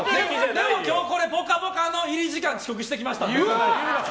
でも今日、こいつ「ぽかぽか」の入り時間遅刻してきましたから。